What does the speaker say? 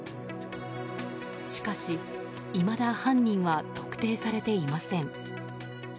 しかし、いまだ犯人は特定されていません。